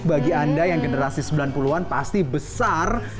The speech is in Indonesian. bagi anda yang generasi sembilan puluh an pasti besar